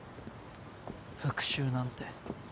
復讐なんて。